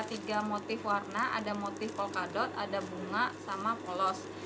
tiga motif warna ada motif polkadot ada bunga sama polos